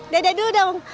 dadah dulu dong